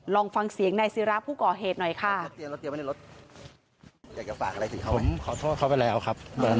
ลองฟังเสียงนายศิราผู้ก่อเหตุหน่อยค่ะ